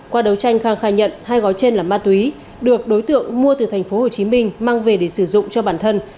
qua đấu tranh khang khai nhận hai gói trên là ma túy được đối tượng mua từ tp hồ chí minh mang về để sử dụng cho bản thân